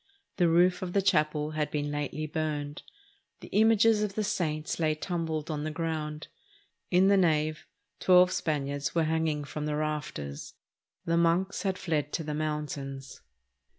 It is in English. The roof of the chapel had been lately burned. The images of the saints lay tumbled on the ground. In the nave twelve Spaniards were hanging from the rafters. The monks had fled to the mountains.